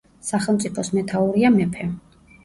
სახელმწიფოს მეთაურია მეფე.